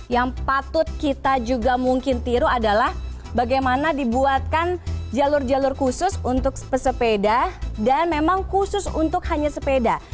yang patut kita juga mungkin tiru adalah bagaimana dibuatkan jalur jalur khusus untuk pesepeda dan memang khusus untuk hanya sepeda